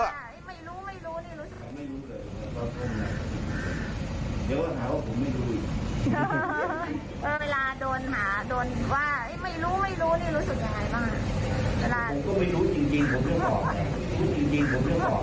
ไม่รู้ไม่รู้นี่รู้สึกยังไง